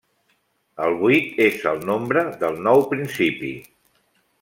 El vuit és el nombre del nou principi.